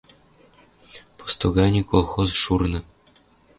Посто ганьы колхоз шурны